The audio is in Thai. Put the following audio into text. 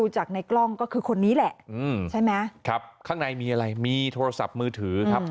จากในกล้องก็คือคนนี้แหละใช่ไหมครับข้างในมีอะไรมีโทรศัพท์มือถือครับ